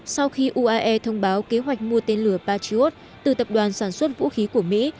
sau khi uae thông báo kế hoạch mua tên lửa patriot từ tập đoàn sản xuất vũ khí của mỹ